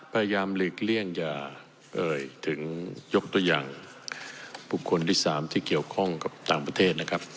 พยายามหลีกเลี่ยงอย่าเอ่ยถึงยกตัวอย่างบุคคลที่๓ที่เกี่ยวข้องกับต่างประเทศนะครับ